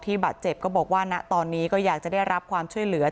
บาดเจ็บก็บอกว่าณตอนนี้ก็อยากจะได้รับความช่วยเหลือ